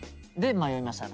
迷いましたね。